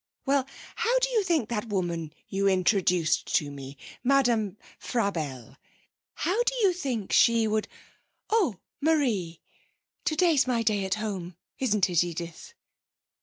'Well, how do you think that woman you introduced to me, Madame Frabelle how do you think she would ? Oh, Marie, today's my day at home; isn't it, Edith?'